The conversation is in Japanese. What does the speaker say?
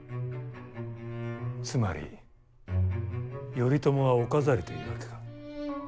つまり頼朝はお飾りというわけか。